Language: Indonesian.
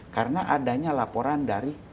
karena adanya laporan dari